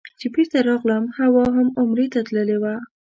چې بېرته راغلم حوا هم عمرې ته تللې وه.